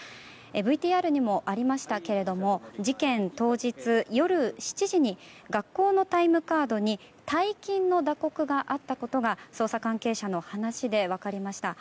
ＶＴＲにもありましたけれども事件当日夜７時に学校のタイムカードに退勤の打刻があったことが捜査関係者の話で分かりました。